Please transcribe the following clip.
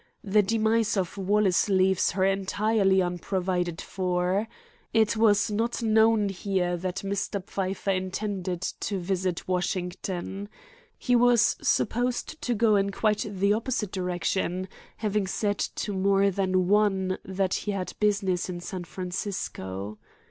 The demise of Wallace leaves her entirely unprovided for. It was not known here that Mr. Pfeiffer intended to visit Washington. He was supposed to go in quite the opposite direction, having said to more than one that he had business in San Francisco.